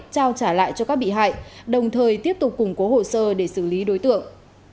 trao trả lại cho các bị hại đồng thời tiếp tục củng cố hồ sơ để xử lý đối tượng